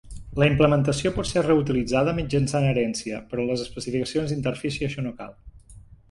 La implementació pot ser reutilitzada mitjançant herència però en les especificacions d'interfície això no cal.